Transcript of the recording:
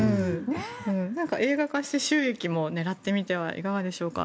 映画化して収益も狙ってみてはいかがでしょうか。